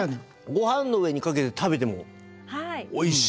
ごはんの上にかけて食べてもおいしい。